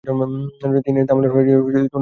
তিনি তামিলনাড়ু রাজ্যের মুখ্যমন্ত্রী ছিলেন।